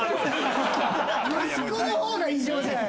息子の方が異常じゃん。